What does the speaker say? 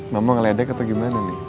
mama ngeledek atau gimana nih